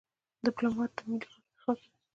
ډيپلومات د ملي ګټو دفاع کوي.